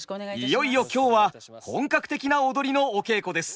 いよいよ今日は本格的な踊りのお稽古です。